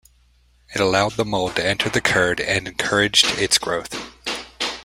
It allowed the mold to enter the curd and encouraged its growth.